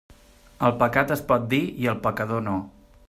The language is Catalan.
El pecat es pot dir i el pecador no.